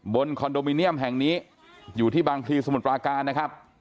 คอนโดมิเนียมแห่งนี้อยู่ที่บางพลีสมุทรปราการนะครับ